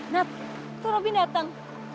nath tuh robin datang